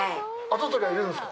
跡取りは、いるんですか？